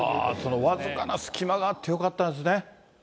その僅かな隙間があってよかったんですね。